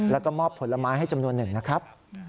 แล้วก็มอบผลไม้ให้จำนวนหนึ่งนะครับ